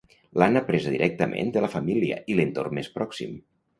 L'han apresa directament de la família i l'entorn més pròxim